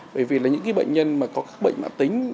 bởi vì là những bệnh nhân có các bệnh mạng tính